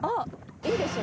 いいですね